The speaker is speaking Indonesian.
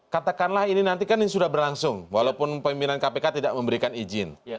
katakanlah ini nanti kan ini sudah berlangsung walaupun pimpinan kpk tidak memberikan izin